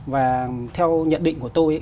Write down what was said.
và theo nhận định của tôi